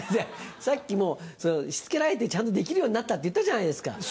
さっきも「しつけられてちゃんとできるようになった」って言ったじゃないですか。